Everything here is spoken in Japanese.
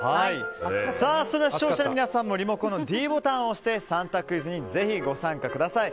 それでは視聴者の皆さんもリモコンのｄボタンを押して３択クイズにぜひご参加ください。